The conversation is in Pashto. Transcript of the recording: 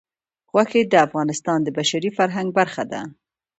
غوښې د افغانستان د بشري فرهنګ برخه ده.